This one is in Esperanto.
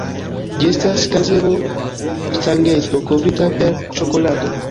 Ĝi estas kazeo-stangeto kovrita per ĉokolado.